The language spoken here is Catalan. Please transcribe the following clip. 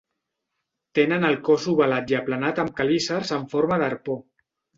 Tenen el cos ovalat i aplanat amb quelícers en forma d'arpó.